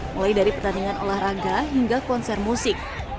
mulai dari pertandingan olahraga hingga konser musik